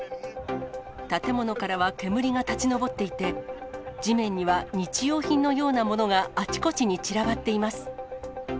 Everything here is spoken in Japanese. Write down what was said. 建物からは煙が立ちのぼっていて、地面には日用品のようなものがあちこちに散らばっています。